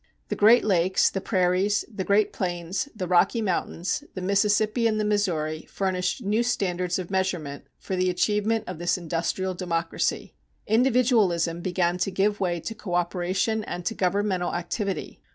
The Great Lakes, the Prairies, the Great Plains, the Rocky Mountains, the Mississippi and the Missouri, furnished new standards of measurement for the achievement of this industrial democracy. Individualism began to give way to coöperation and to governmental activity.